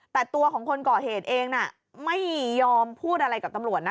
แต่ตัวของคนก่อเหตุเองน่ะไม่ยอมพูดอะไรกับตำรวจนะ